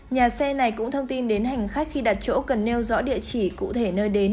nhà xe này cũng thông tin đến hành khách khi đặt chỗ cần nêu rõ địa chỉ cụ thể nơi đến